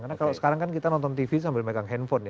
karena kalau sekarang kan kita nonton tv sambil megang handphone ya